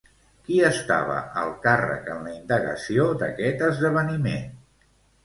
Qui estava al càrrec en la indagació d'aquest esdeveniment?